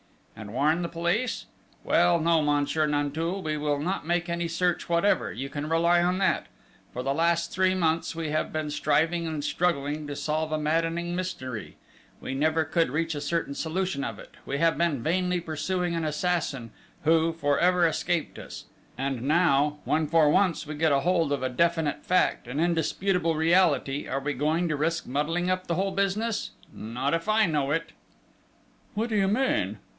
"And warn the police? Well, no, Monsieur Nanteuil, we will not make any search whatever, you can rely on that!... For the last three months we have been striving and struggling to solve a maddening mystery: we never could reach a certain solution of it: we have been vainly pursuing an assassin, who for ever escaped us ... and now, when for once, we get hold of a definite fact, an indisputable reality, are we going to risk muddling up the whole business?... Not if I know it!" "What do you mean?"